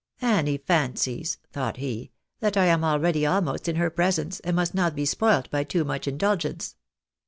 " Annie fancies," thought he, " that I am already almost in her presence, and must not be spoilt by too much indulgence."